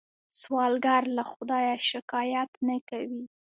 سوالګر له خدایه شکايت نه کوي